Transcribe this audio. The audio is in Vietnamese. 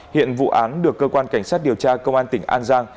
hiện vụ án được cơ quan cảnh sát điều tra công an tỉnh an giang